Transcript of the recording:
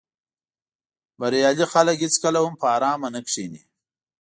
بریالي خلک هېڅکله هم په آرامه نه کیني.